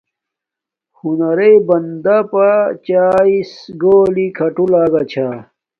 ہنرݶ بندن پادچاھس گولی کھاٹو لگاہ چھاہ